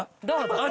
どうぞ。